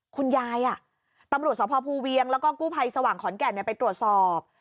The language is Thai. คุณยายตำรวจสภภูเวียงแล้วก็กู้ภัยสว่างขอนแก่นไปตรวจสอบ